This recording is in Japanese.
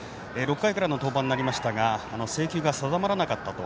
６回からの登板になりましたが制球が定まらなかったと。